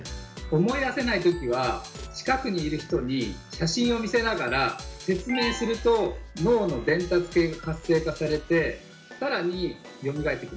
思い出せない時は近くにいる人に写真を見せながら説明すると脳の伝達系が活性化されて更によみがえってきます。